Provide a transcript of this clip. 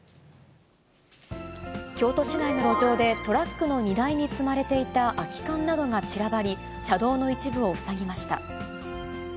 京都市内の路上で、トラックの荷台に積まれていた空き缶などが散らばり、車道の一部を塞ぎました。